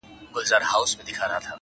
چي په نسیم کي غوړېدلي شګوفې وي وني -